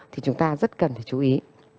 thì chúng ta rất cần phải chú ý